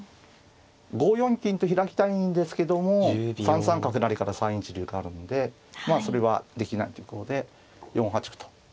５四金と開きたいんですけども３三角成から３一竜があるんでまあそれはできないっていうことで４八歩と。